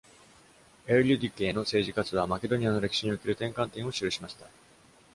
エウリュディケーの政治活動は、マケドニアの歴史における転換点を印しました。